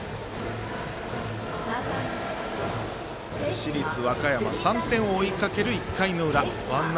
市立和歌山、３点を追いかける１回の裏。